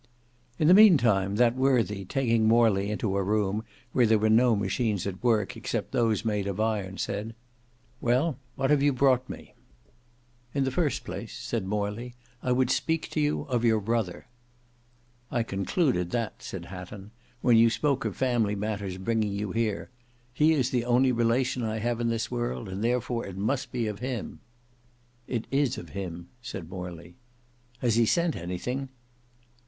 In the meantime, that worthy, taking Morley into a room where there were no machines at work except those made of iron, said, "Well, what have you brought me?" "In the first place," said Morley, "I would speak to you of your brother." "I concluded that," said Hatton, "when you spoke of family matters bringing you here; he is the only relation I have in this world, and therefore it must be of him." "It is of him," said Morley. "Has he sent anything?"